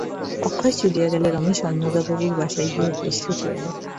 অক্ষয় চলিয়া গেলে রমেশ অন্নদাবাবুর বাসায় গিয়া উপস্থিত হইল।